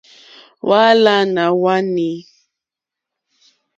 Hwálánà hwá nǐ.